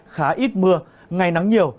khá ít mưa ngày nắng nhiều